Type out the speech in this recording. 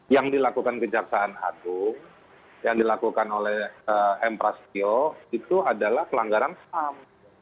yang dilakukan kejaksaan agung yang dilakukan oleh m prasetyo itu adalah pelanggaran ham